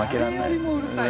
誰よりもうるさい。